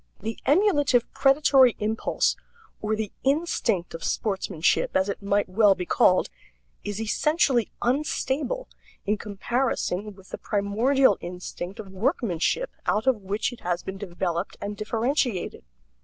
The emulative predatory impulse or the instinct of sportsmanship, as it might well be called is essentially unstable in comparison with the primordial instinct of workmanship out of which it has been developed and differentiated.